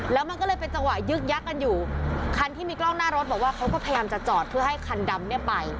แล้วมันก็เลยเป็นจังหวะยึกยักษ์กันอยู่คันที่มีกล้องหน้ารถบอกว่าเขาก็พยายามจะจอดเพื่อให้คันดำเนี่ยไป